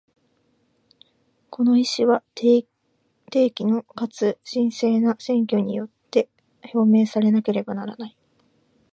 この意思は、定期のかつ真正な選挙によって表明されなければならない。